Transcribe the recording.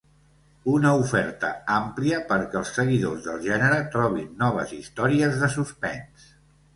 Una oferta àmplia perquè els seguidors del gènere trobin noves històries de suspens.